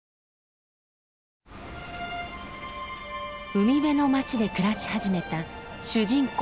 海辺の町で暮らし始めた主人公